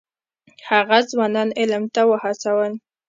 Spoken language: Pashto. هغه ځوانان علم ته وهڅول.